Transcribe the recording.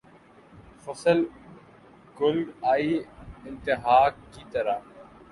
فصل گل آئی امتحاں کی طرح